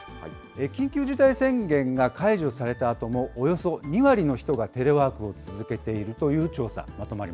緊急事態宣言が解除されたあとも、およそ２割の人がテレワークを続けているという調査、まとまり